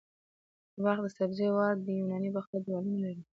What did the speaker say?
د بلخ د سبزې وار د یوناني باختر دیوالونه لري